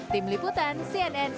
tim liputan crt